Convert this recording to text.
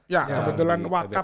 ya kebetulan wakab